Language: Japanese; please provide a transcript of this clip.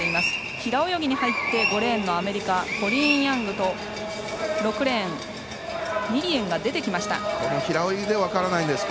平泳ぎに入って５レーンのアメリカコリーン・ヤングと６レーン、ニリエンが出てきました。